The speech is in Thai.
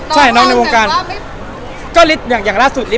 พี่เห็นไอ้เทรดเลิศเราทำไมวะไม่ลืมแล้ว